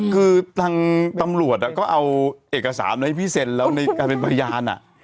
คือทางตำรวจก็เอาเอกสารให้พี่เซ็นแล้วในการเป็นพยาน